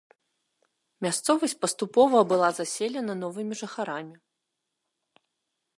Мясцовасць паступова была заселена новымі жыхарамі.